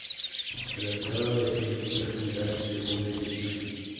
Tratado de Cirugía General, segunda edición.